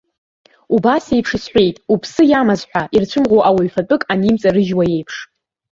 Убас еиԥш исҳәеит, уԥсы иамаз ҳәа ирцәымӷу ауаҩ фатәык анимҵарыжьуа еиԥш.